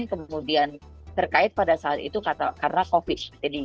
kemudian terkait pada saat itu karena covid